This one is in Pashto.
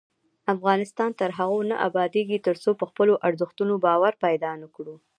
افغانستان تر هغو نه ابادیږي، ترڅو په خپلو ارزښتونو باور پیدا نکړو.